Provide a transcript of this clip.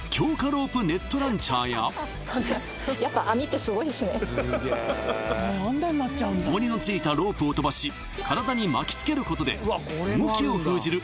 ロープネットランチャーやおもりのついたロープを飛ばし体に巻きつけることで動きを封じる